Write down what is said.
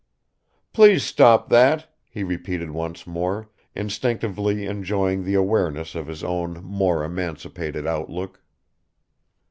"Please stop that," he repeated once more, instinctively enjoying the awareness of his own more emancipated outlook.